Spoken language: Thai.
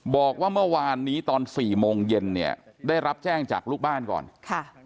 บอกว่าเมื่อวานนี้ตอนสี่โมงเย็นเนี่ยได้รับแจ้งจากลูกบ้านก่อนค่ะ